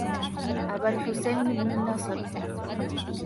أبا الحسين بن نصر